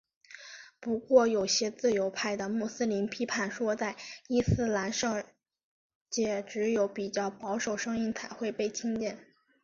不过有些自由派的穆斯林批评说在伊斯兰世界只有比较保守声音才会被听见。